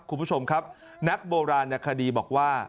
คุณผู้ชมครับนักโบราณนักคดีบอกว่า